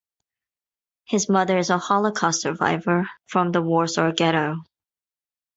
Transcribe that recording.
His mother is a Holocaust survivor from the Warsaw Ghetto.